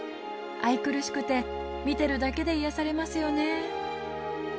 愛くるしくて見てるだけで癒やされますよね。